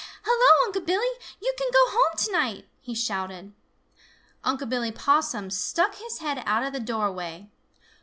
"Hello, Unc' Billy! You can go home to night!" he shouted. Unc' Billy Possum stuck his head out of the doorway.